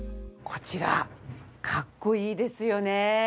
こちらかっこいいですよね。